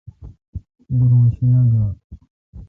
دور اں شیناک گاڑ۔